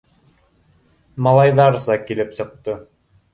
Малайҙарса килеп сыҡты